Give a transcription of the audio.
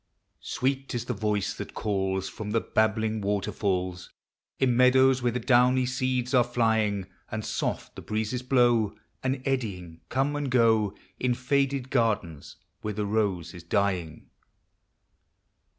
Sweet is the voice that calls From the babbling waterfalls In meadows where the downy seeds are Hying; And soft the breezes blow. And eddying come and go In faded gardens where the rose is dying.